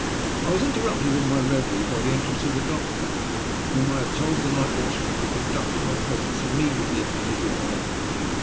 I was interrupted in my reverie by the entrance of the doctor, whom I had told the night watchman to conduct to my presence immediately upon his arrival.